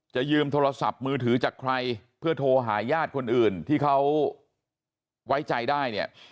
ยืมโทรศัพท์มือถือจากใครเพื่อโทรหาญาติคนอื่นที่เขาไว้ใจได้เนี่ย